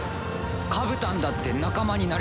カブタンだって仲間になれた。